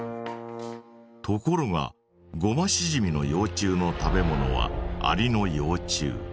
ところがゴマシジミの幼虫の食べ物はアリの幼虫。